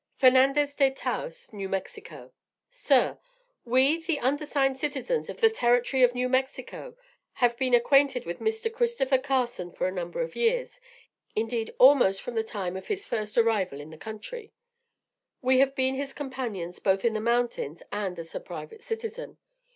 FERNANDEZ DE TAOS, NEW MEXICO. SIR: We, the undersigned citizens of the Territory of New Mexico, have been acquainted with Mr. CHRISTOPHER CARSON for a number of years, indeed almost from the time of his first arrival in the country. We have been his companions both in the mountains and as a private citizen.